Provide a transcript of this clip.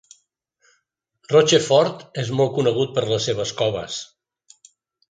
Rochefort és molt conegut per les seves coves.